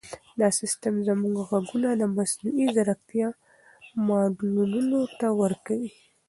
دا سیسټم زموږ ږغونه د مصنوعي ځیرکتیا ماډلونو ته ورکوي.